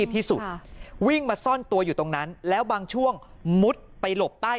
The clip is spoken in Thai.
ที่สุดวิ่งมาซ่อนตัวอยู่ตรงนั้นแล้วบางช่วงมุดไปหลบใต้